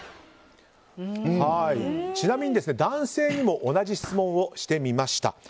ちなみに、男性にも同じ質問をしてみました。